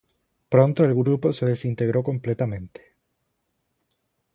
Pronto el grupo se desintegró completamente.